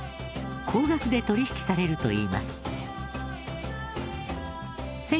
高額で取引されるといいます。